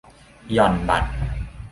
หย่อนบัตร